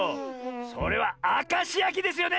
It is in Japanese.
それはあかしやきですよね！